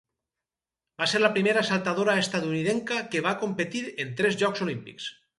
Va ser la primera saltadora estatunidenca que va competir en tres Jocs Olímpics.